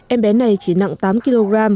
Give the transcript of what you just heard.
em bé này chỉ nặng tám kg